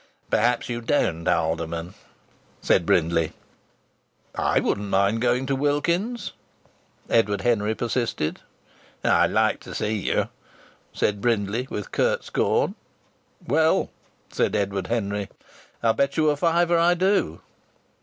"Perhaps you don't, Alderman!" said Brindley. "I wouldn't mind going to Wilkins's," Edward Henry persisted. "I'd like to see you," said Brindley, with curt scorn. "Well," said Edward Henry, "I'll bet you a fiver I do."